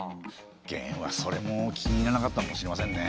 元はそれも気に入らなかったのかもしれませんね。